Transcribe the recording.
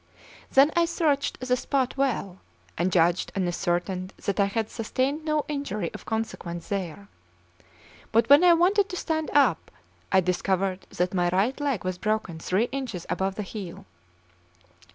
Then I searched the spot well, and judged and ascertained that I had sustained no injury of consequence there; but when I wanted to stand up, I discovered that my right leg was broken three inches above the heel.